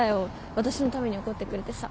私のために怒ってくれてさ。